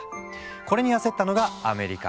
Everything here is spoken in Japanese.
これに焦ったのがアメリカ。